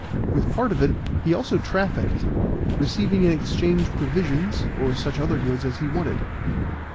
With part of it he also trafficked, receiving in exchange provisions or such other goods as he wanted.